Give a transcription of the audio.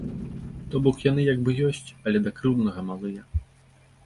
То бок яны як бы ёсць, але да крыўднага малыя.